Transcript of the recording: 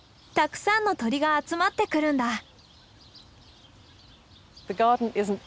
たくさんの鳥が集まってくるんだ。